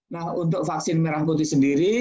nah untuk vaksin merah putih sendiri